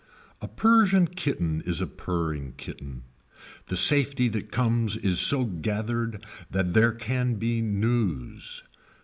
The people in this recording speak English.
A Persian kitten is a purring kitten. The safety that comes is so gathered that there can be news.